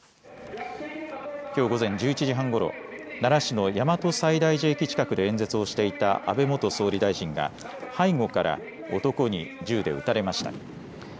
きょう午前中１１時半ごろ奈良市の大和西大寺駅近くで演説をしていた安倍元総理大臣が背後から男に銃で撃たれました。